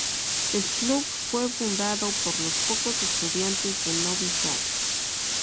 El club fue fundado por los pocos estudiantes de Novi Sad.